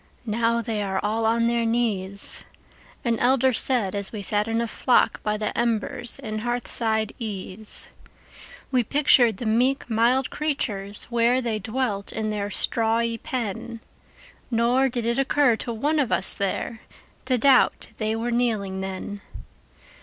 "Now they are all on their knees,"An elder said as we sat in a flock By the embers in hearthside ease. We pictured the meek mild creatures where They dwelt in their strawy pen, Nor did it occur to one of us there To doubt they were kneeling then.